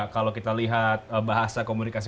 kalau kita lihat bahasa komunikasi